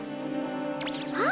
あ！